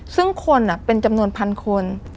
ซึ่งคนเป็นจำนวนพันคน